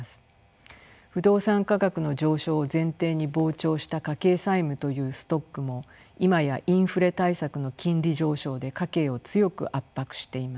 不動産価格の上昇を前提に膨張した家計債務というストックも今やインフレ対策の金利上昇で家計を強く圧迫しています。